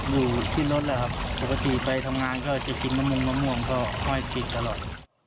อยู่ที่รถแหละครับปกติไปทำงานก็จะกินมะม่วงมะม่วงก็ค่อยกินตลอด